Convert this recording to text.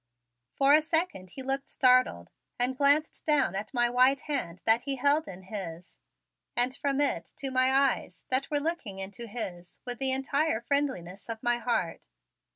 For a second he looked startled and glanced down at my white hand that he held in his and from it to my eyes that were looking into his with the entire friendliness of my heart.